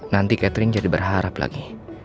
nanti catering jadi berharap lagi